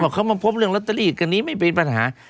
เขามาพบเรื่องลอตเตอรี่กันนี้ไม่เป็นปัญหา